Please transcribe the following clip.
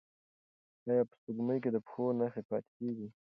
ایا په سپوږمۍ کې د پښو نښې پاتې کیږي؟